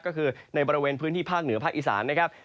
ก็คือในบริเวณพื้นที่ภาคเหนือภาคอีสานนะครับ